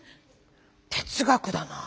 哲学だな。